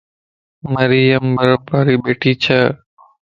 مريءَ مَ برف باري ٻھڻي چھهَ